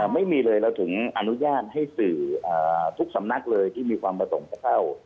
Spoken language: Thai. ไม่มีเลยเราถึงอนุญาตให้สื่อทุกสำนักเลยที่มีความประสงค์จะเข้า